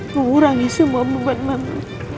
mengurangi semua beban mama